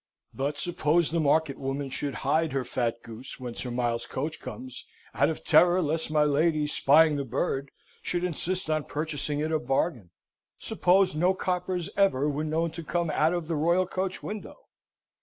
But suppose the market woman should hide her fat goose when Sir Miles's coach comes, out of terror lest my lady, spying the bird, should insist on purchasing it a bargain? Suppose no coppers ever were known to come out of the royal coach window?